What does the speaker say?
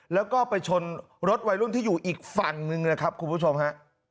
แล้วก็ไปชนรถวัยรุ่นที่อยู่อีกฝั่งหนึ่งนะครับคุณผู้ชมฮะ